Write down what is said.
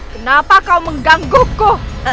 kenapa kau mengganggukku